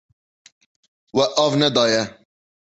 We av nedaye.